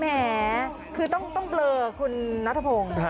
แหมคือต้องเบลอคุณนัทพงศ์